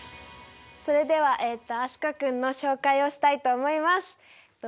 それでは飛鳥君の紹介をしたいと思います。